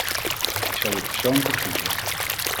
Ik zal hier persoonlijk op toezien.